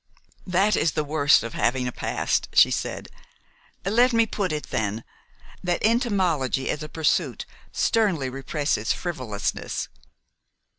"That is the worst of having a past," she said. "Let me put it, then, that entomology as a pursuit sternly represses frivolousness."